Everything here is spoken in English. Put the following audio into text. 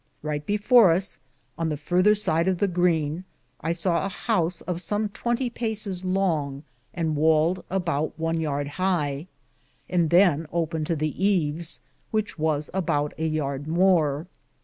Ryghte before us, on the farther side of the greene, I saw a house of som 20 pacis longe, and waled aboute one yarde hie, and than opene to the eaves, which was aboute a yarde more.